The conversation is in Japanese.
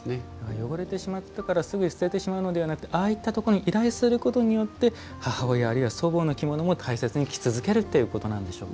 汚れてしまったからすぐに捨ててしまうのではなくてああいったところに依頼することによって母親、あるいは祖母の着物も大切に着続けるということなんでしょうか。